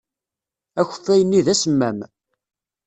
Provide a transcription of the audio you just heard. Akeffay-nni d asemmam.